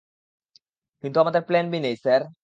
কিন্তু আমাদের plan B নেই, স্যার?